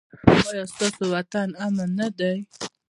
ایا ستاسو وطن امن نه دی؟